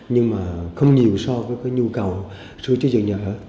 nhưng mà không nhiều so với cái nhu cầu sưu trí dự nhận